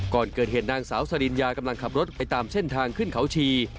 ก่อนเกิดเหตุนางสาวสริญญากำลังขับรถไปตามเส้นทางขึ้นเขาชี